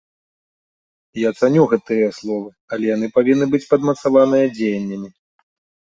Я цаню гэтыя словы, але яны павінны быць падмацаваныя дзеяннямі.